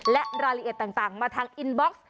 และรายละเอียดต่างมาทางอินบ็อกซ์